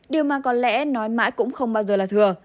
điều mà có lẽ nói mãi cũng không bao giờ là thừa